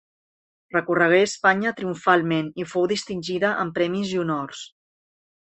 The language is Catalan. Recorregué Espanya triomfalment i fou distingida amb premis i honors.